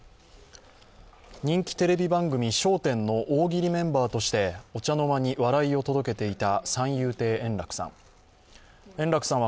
人気テレビ番組「笑点」の大喜利メンバーとしてお茶の間に笑いを届けていた三遊亭円楽さん。